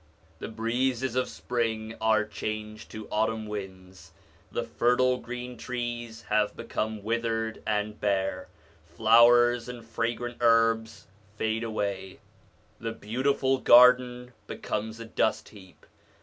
The breezes of spring are changed to autumn winds, the fertile green trees have become withered and bare, flowers and fragrant herbs fade away, the beautiful garden becomes a dust heap.